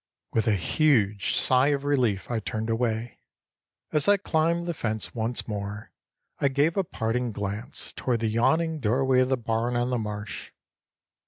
With a huge sigh of relief I turned away. As I climbed the fence once more I gave a parting glance toward the yawning doorway of the barn on the marsh.